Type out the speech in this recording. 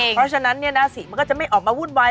เพราะฉะนั้นสีมันก็จะไม่ออกมาวุ่นวาย